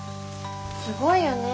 すごいよね。